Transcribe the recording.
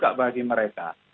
tidak bagi mereka